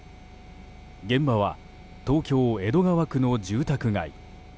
現場は東京・江戸川区の住宅街。